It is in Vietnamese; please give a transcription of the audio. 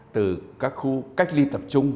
từ các khu cách ly tập trung